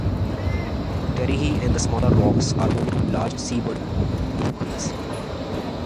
Terihi and the smaller rocks are home to large seabird rookeries.